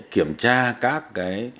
kiểm tra các cái